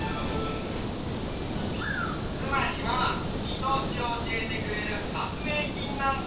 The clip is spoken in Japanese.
つまりはみとおしをおしえてくれる発明品なんだ。